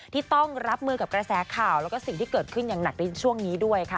ที่ต้องรับมือกับกระแสข่าวแล้วก็สิ่งที่เกิดขึ้นอย่างหนักในช่วงนี้ด้วยค่ะ